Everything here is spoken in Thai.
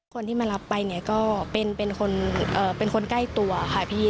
คนที่มารับไปเนี่ยก็เป็นคนใกล้ตัวค่ะพี่